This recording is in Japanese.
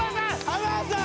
・浜田さん！